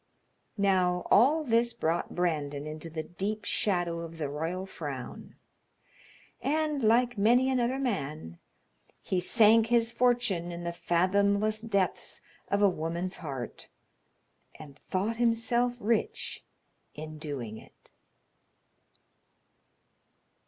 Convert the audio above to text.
Now, all this brought Brandon into the deep shadow of the royal frown, and, like many another man, he sank his fortune in the fathomless depths of a woman's heart, and thought himself rich in doing it.